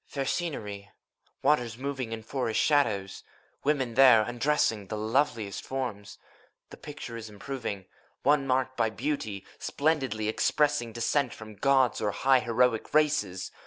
Fair scenery! — Waters, moving In forest shadows : women there, undressing, The loveliest forms! — ^the picture is improving. One, marked by beauty, splendidly expressing Descent from Gods or high heroic races.